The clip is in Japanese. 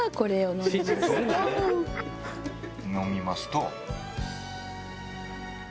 飲みますと。